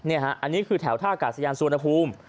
อันนี้คือแถวธักษ์ก่าสยานสุณภูมิ